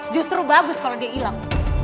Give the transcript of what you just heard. justru bagus kalo dia ilang